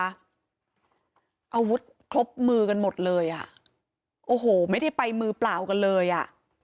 อาวุธครบมือกันหมดเลยอ่ะโอ้โหไม่ได้ไปมือเปล่ากันเลยอ่ะ